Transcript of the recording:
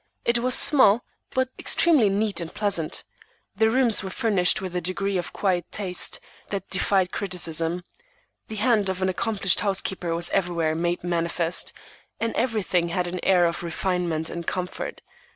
It was small, but extremely neat and pleasant. The rooms were furnished with a degree of quiet taste that defied criticism. The hand of an accomplished housekeeper was everywhere made manifest, and everything had an air of refinement and comfort.